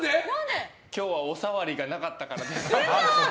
今日はお触りがなかったからです。